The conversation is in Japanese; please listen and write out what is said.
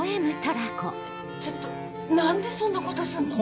ちょっと何でそんなことすんの？